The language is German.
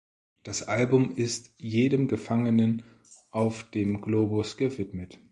Das Album ist jedem Gefangenen auf dem Globus gewidmet.